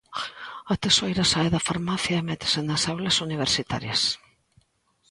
A tesoira sae da farmacia e métese nas aulas universitarias.